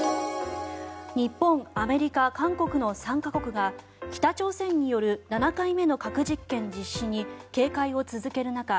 日本、アメリカ、韓国の３か国が北朝鮮による７回目の核実験実施に警戒を続ける中